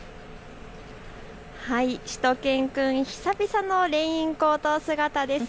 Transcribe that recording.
しゅと犬くん、久々のレインコート姿です。